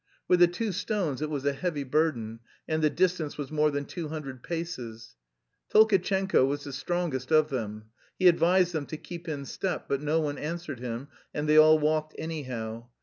With the two stones it was a heavy burden, and the distance was more than two hundred paces. Tolkatchenko was the strongest of them. He advised them to keep in step, but no one answered him and they all walked anyhow.